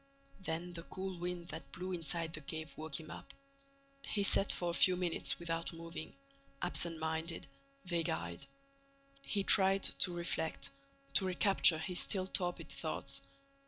Then the cool wind that blew inside the cave woke him up. He sat for a few minutes without moving, absent minded, vague eyed. He tried to reflect, to recapture his still torpid thoughts.